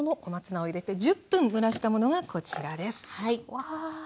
わあ。